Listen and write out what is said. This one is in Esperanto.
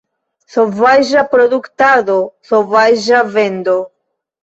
Sovaĝa produktado, sovaĝa vendo.